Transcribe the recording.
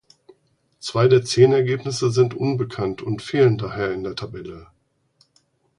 Zwei der zehn Ergebnisse sind unbekannt und fehlen daher in der Tabelle.